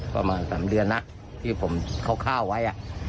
ประมาณ๓เดือนนะที่ผมคร่าวไว้